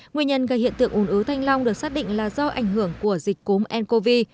nguyên nhân gây hiện tượng ủn ứ thanh long được xác định là do ảnh hưởng của dịch cốm ncov